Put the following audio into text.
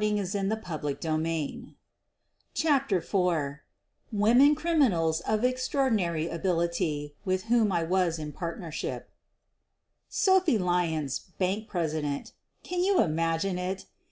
QUEEN OF THE BURGLAES 89 CHAPTER IV WOMEN CRIMINALS OF EXTRAORDINARY ABILITY WITH WHOM I WAS IN PARTNERSHIP f Sophie Lyons, bank president — can you imagine it?